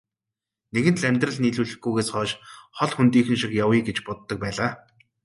Нэгэнт л амьдрал нийлүүлэхгүйгээс хойш хол хөндийхөн шиг явъя гэж боддог байлаа.